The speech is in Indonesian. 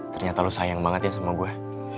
ternyata lu sayang banget ya sama gue